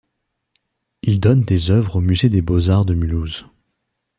Il donne des œuvres au musée des Beaux Arts de Mulhouse.